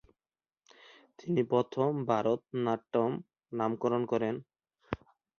তিনিই প্রথম ‘ভারতনাট্যম’ নামকরণ করেন।